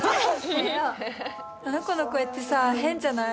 あの子の声ってさ変じゃない？